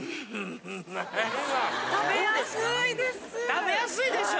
食べやすいでしょ？